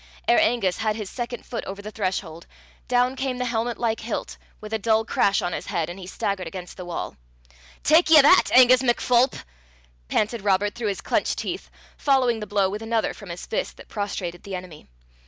Ere Angus had his second foot over the threshold, down came the helmet like hilt with a dull crash on his head, and he staggered against the wall. "Tak ye that, Angus MacPholp!" panted Robert through his clenched teeth, following the blow with another from his fist, that prostrated the enemy.